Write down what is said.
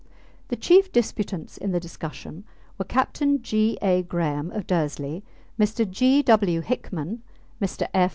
The chief disputants in the discussion were Captain G. A. Graham, of Dursley, Mr. G. W. Hickman, Mr. F.